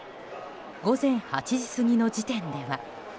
午前８時過ぎの時点では。